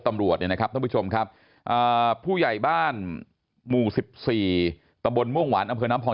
ตำรวจเนี่ยนะครับท่านผู้ชมครับผู้ใหญ่บ้านหมู่๑๔ตะบนม่วงหวานอำเภอน้ำพอง